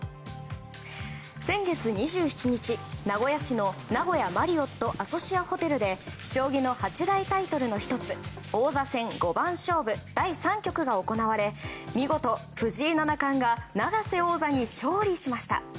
先月２７日、名古屋市の名古屋マリオットアソシアホテルで将棋の八大タイトルの１つ王座戦五番勝負第３局が行われ見事、藤井七冠が永瀬王座に勝利しました。